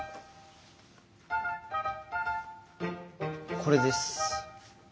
これです。